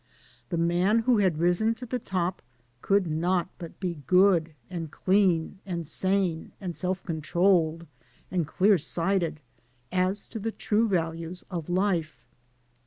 The man who had risen to the top could not but be good and clean and sane and self controlled and dear sighted as to the true values of life.